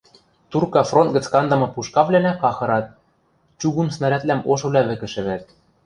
Турка фронт гӹц кандымы пушкавлӓнӓ кахырат, чугун снарядвлӓм ошывлӓ вӹкӹ шӹвӓт